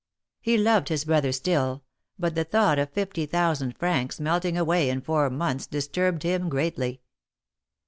lie loved his brother still, but the thought of fifty thousand francs melting away in four months disturbed him greatly.